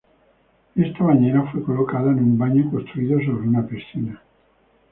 Ésta bañera fue colocada en un baño construido sobre una piscina.